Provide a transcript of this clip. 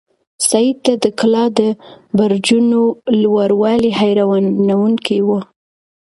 سعید ته د کلا د برجونو لوړوالی حیرانونکی و.